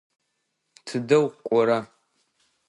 Тыдэ укӏора?